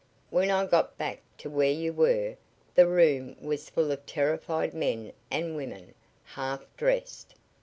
When I got back to where you were the room was full of terrified men and women, half dressed.